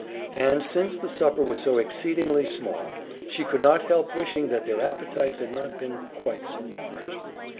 And, since the supper was so exceedingly small, she could not help wishing that their appetites had not been quite so large.